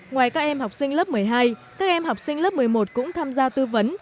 ngoài các em học sinh lớp một mươi hai các em học sinh lớp một mươi một cũng tham gia tư vấn